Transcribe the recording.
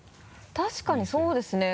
確かにそうですね。